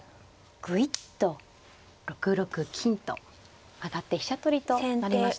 ぐいっと６六金と上がって飛車取りとなりました。